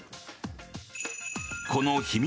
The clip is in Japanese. この秘密